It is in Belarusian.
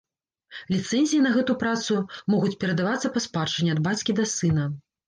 Ліцэнзіі на гэту працу могуць перадавацца па спадчыне ад бацькі да сына.